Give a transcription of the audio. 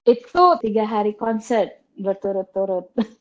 itu tiga hari konser berturut turut